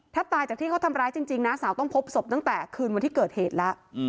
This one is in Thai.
ถ้าตายจากที่เขาทำร้ายจริงนะสาวต้องพบศพตั้งแต่คืนวันที่เกิดเหตุแล้ว